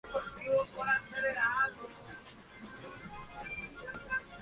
Debutó en el equipo italiano Colpack-Astro.